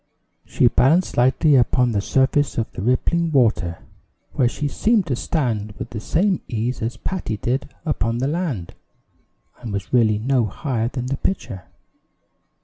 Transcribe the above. She balanced lightly upon the surface of the rippling water, where she seemed to stand with the same ease as Patty did upon the land, and was really no higher than the pitcher.